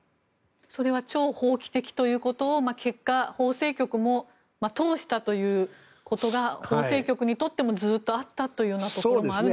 それは超法規的ということを結果、法制局も通したということが法制局にとってもずっとあったというところもあるのでしょうか。